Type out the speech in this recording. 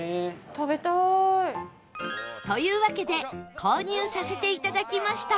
というわけで購入させていただきました